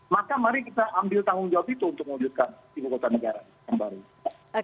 maka mari kita ambil tanggung jawab itu untuk mewujudkan ibu kota negara yang baru